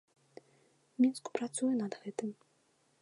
Мінску працуе над гэтым.